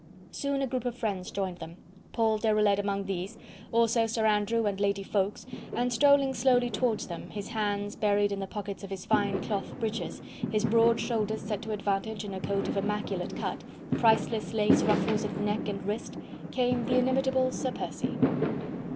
Soon a group of friends joined them. Paul Deroulede among these, also Sir Andrew and Lady Ffoulkes, and strolling slowly towards them, his hands buried in the pockets of his fine cloth breeches, his broad shoulders set to advantage in a coat of immaculate cut, priceless lace ruffles at neck and wrist, came the inimitable Sir Percy.